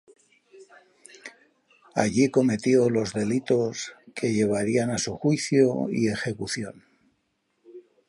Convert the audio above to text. Allí cometió los delitos que llevarían a su juicio y ejecución.